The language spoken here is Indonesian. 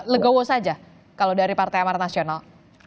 legowo saja kalau dari partai amarat nasional